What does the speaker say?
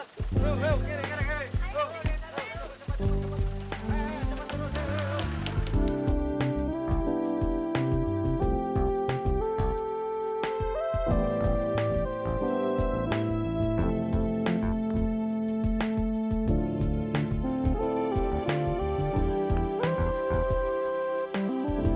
tunggu tunggu tunggu